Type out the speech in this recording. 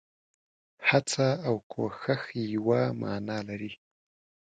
هڅه او کوښښ يوه مانا لري.